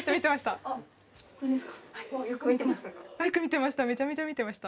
あっよく見てましたか？